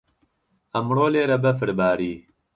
ئەمڕۆ لێرە بەفر باری.